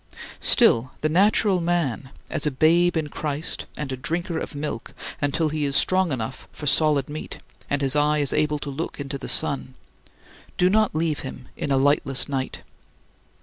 Still the natural man as a babe in Christ, and a drinker of milk, until he is strong enough for solid meat, and his eye is able to look into the sun do not leave him in a lightless night.